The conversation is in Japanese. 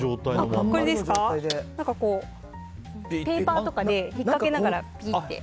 これはペーパーとかでひっかけながらピーって。